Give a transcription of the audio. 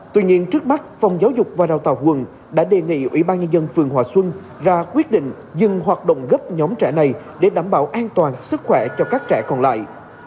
tuy nhiên trước mắt phòng giáo dục và đào tạo quận đã đề nghị ủy ban nhân dân phường hòa xuân ra quyết định dừng hoạt động gấp nhóm trẻ này để đảm bảo an toàn sức khỏe cho các trẻ còn lại